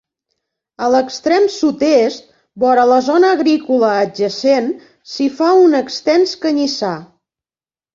A l'extrem sud-est, vora la zona agrícola adjacent, s'hi fa un extens canyissar.